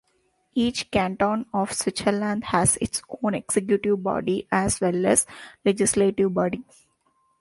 Each canton of Switzerland has its own executive body, as well as legislative body.